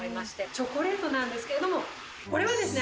チョコレートなんですけどもこれはですね